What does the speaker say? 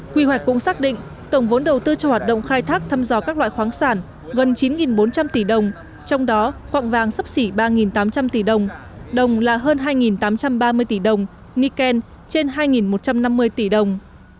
quy hoạch cũng xác định tổng vốn đầu tư cho hoạt động khai thác thăm dò các loại khoáng sản gần chín bốn trăm linh tỷ đồng trong đó quạng vàng sấp xỉ ba tám trăm linh tỷ đồng đồng là hơn hai tám trăm ba mươi tỷ đồng nikken trên hai một trăm năm mươi tỷ đồng